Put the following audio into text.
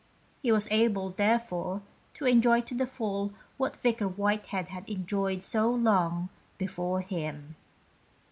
He was able, therefore, to enjoy to the full what Vicar Whitehead had enjoyed so long before him.